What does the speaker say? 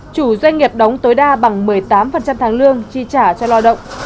chủ doanh nghiệp đóng tối đa bằng một mươi tám tháng lương chi trả cho lao động